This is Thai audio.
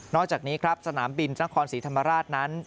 อกจากนี้ครับสนามบินนครศรีธรรมราชนั้น